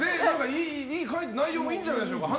内容もいいんじゃないでしょうか。